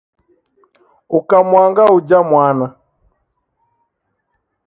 Ukamwangaa uja mwana